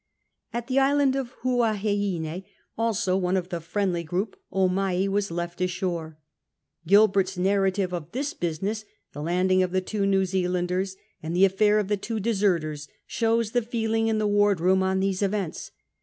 At the island of Huaheine, also one of the Friendly group, Omai was left ashore. Gilbert's narrative of this business, the landing of the two New Zealanders, and the affair of the two deserters, shows the feeling in the ward room on these events.